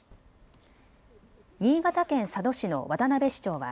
新潟県佐渡市の渡辺市長は。